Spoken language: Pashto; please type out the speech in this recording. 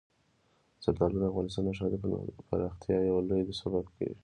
زردالو د افغانستان د ښاري پراختیا یو لوی سبب کېږي.